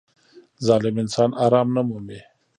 • ظالم انسان آرام نه مومي.